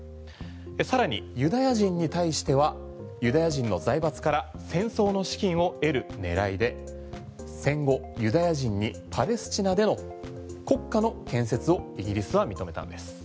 さらにユダヤ人に対してはユダヤ人の財閥から戦争の資金を得る狙いで戦後、ユダヤ人にパレスチナでの国家の建設をイギリスは認めたんです。